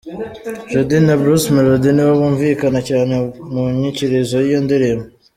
Jody na Bruce Melody nibo bumvikana cyane mu nyikirizo y’iyi ndirimbo.